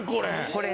これ。